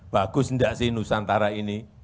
bagus enggak sih nusantara ini